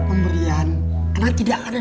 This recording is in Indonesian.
pemberian karena tidak ada